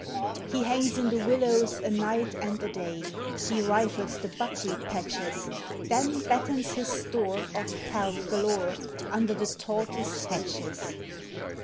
He hangs in the Willows a night and a day; He rifles the buckwheat patches; Then battens his store of pelf galore Under the tautest hatches.